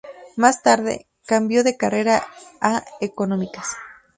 Más tarde, cambió de carrera a Económicas.